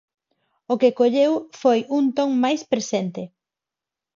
O que colleu foi un ton máis presente.